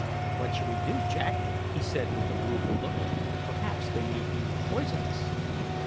"What shall we do, Jack?" said he with a rueful look. "Perhaps they may be poisonous!"